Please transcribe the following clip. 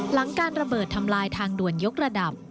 หลังการระเบิดทำลายทางด่วนยกระดับ